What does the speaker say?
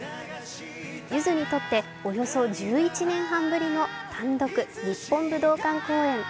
ゆずにとって、およそ１１年半ぶりの単独日本武道館公演。